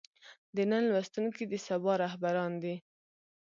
د نن لوستونکي د سبا رهبران دي.